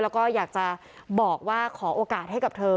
แล้วก็อยากจะบอกว่าขอโอกาสให้กับเธอ